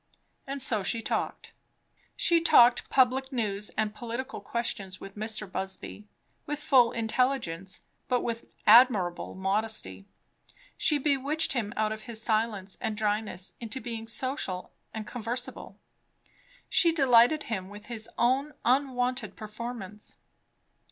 And so she talked. She talked public news and political questions with Mr. Busby, with full intelligence, but with admirable modesty; she bewitched him out of his silence and dryness into being social and conversible; she delighted him with his own unwonted performance.